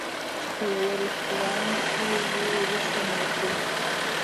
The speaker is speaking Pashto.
چې په یوه رستوران یې وو رسم کړو.